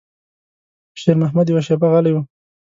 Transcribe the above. شېرمحمد يوه شېبه غلی و.